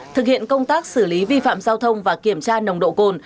thực hiện công tác xử lý vi phạm giao thông và kiểm tra nồng độ cồn